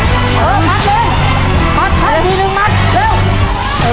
พอพี่ว่าพอแล้วเออมัดเลยมัดมัดมีหนึ่งมัดเร็ว